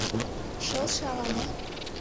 Шылше ала-мо?